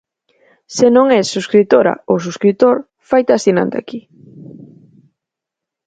Se non es subscritora ou subscritor, faite asinante aquí.